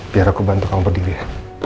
biar aku bantu kamu berdiri ya